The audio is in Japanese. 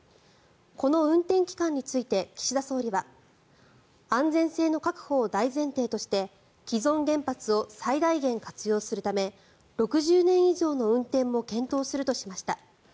この運転期間について岸田総理は安全性の確保を大前提として既存原発を最大限活用するため６０年以上の運転も検討するとしました。